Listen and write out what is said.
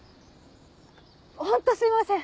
ホントすいません！